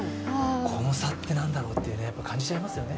この差ってなんだろうって感じちゃいますよね